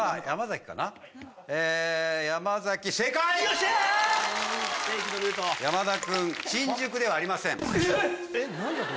山田君新宿ではありません。